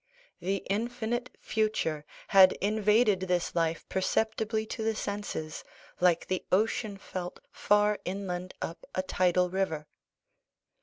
The infinite future had invaded this life perceptibly to the senses, like the ocean felt far inland up a tidal river.